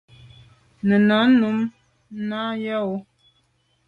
Nenà num nà o yo.